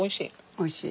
おいしい？